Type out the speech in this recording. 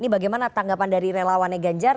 ini bagaimana tanggapan dari relawannya ganjar